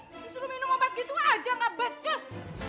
disuruh minum obat gitu aja gak bekas